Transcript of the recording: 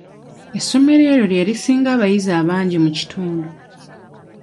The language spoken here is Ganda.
Essomero eryo lye lisinga abayizi abangi mu kitundu.